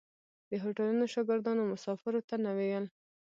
د هوټلو شاګردانو مسافرو ته نه ویل.